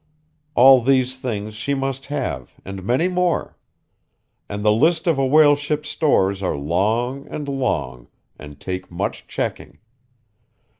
All these things she must have, and many more. And the lists of a whaleship's stores are long and long, and take much checking.